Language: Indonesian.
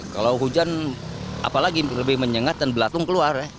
kalau hujan apalagi lebih menyengat dan belatung keluar ya